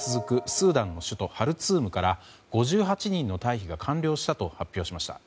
スーダンの首都ハルツームから５８人の退避が完了したと発表しました。